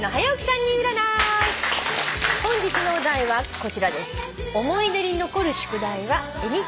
本日のお題はこちらです。